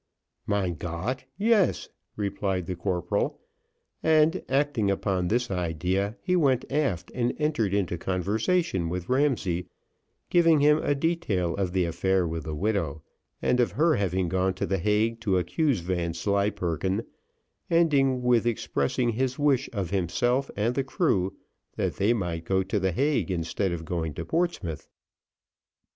"Mein Gott, yes;" replied the corporal, and acting upon this idea, he went aft and entered into conversation with Ramsay, giving him a detail of the affair with the widow and of her having gone to the Hague to accuse Vanslyperken, ending with expressing his wish of himself and the crew that they might go to the Hague instead of going to Portsmouth.